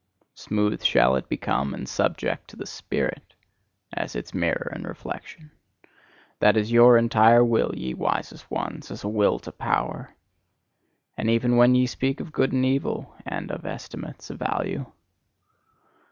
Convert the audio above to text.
Smooth shall it become and subject to the spirit, as its mirror and reflection. That is your entire will, ye wisest ones, as a Will to Power; and even when ye speak of good and evil, and of estimates of value.